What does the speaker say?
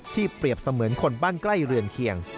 เปรียบเสมือนคนบ้านใกล้เรือนเคียง